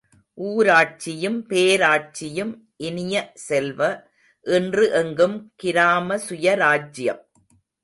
ஊராட்சியும் பேராட்சியும் இனிய செல்வ, இன்று எங்கும் கிராம சுயராஜ்யம்.